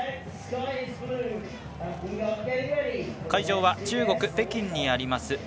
会場は中国・北京にあります